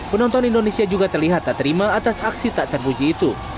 penonton indonesia juga terlihat tak terima atas aksi tak terpuji itu